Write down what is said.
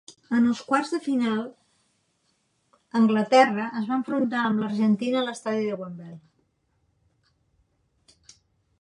En els quarts de final, Anglaterra es va enfrontar amb l'Argentina a l'Estadi de Wembley.